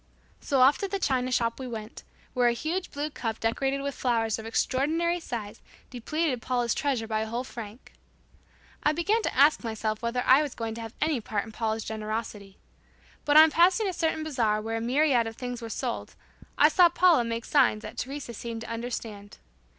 So off to the china shop we went, where a huge blue cup decorated with flowers of extraordinary size depleted Paula's treasure by a whole franc. I began to ask myself whether I was going to have any part in Paula's generosity. But on passing a certain bazaar where a myriad of things were sold, I saw Paula make signs that Teresa seemed to understand.